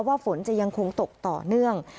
ฝนจะยังคงตกต่อเนื่อง